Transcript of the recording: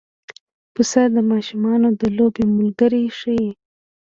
پسه د ماشومانو د لوبې ملګری شي.